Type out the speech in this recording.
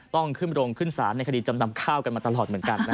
ต้องขึ้นโรงขึ้นศาลในคดีจำนำข้าวกันมาตลอดเหมือนกันนะ